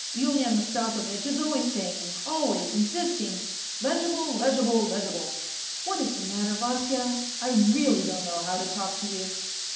Yulian Mastako vitch is always saying, always insisting :' Legible, legible, legible !'... What is the matter? Vasya, I really don't know how to talk to you